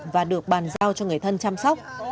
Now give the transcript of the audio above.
và được bàn giao cho người thân chăm sóc